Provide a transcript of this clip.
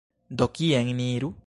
Do, kien ni iru?